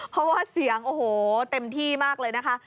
เพราะว่าเสียงโอ้โหเต็มที่มากเลยนะคะ